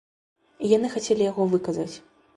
І яны хацелі яго выказаць.